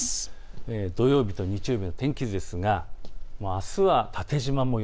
土曜日と日曜日の天気図ですがあすは縦じま模様。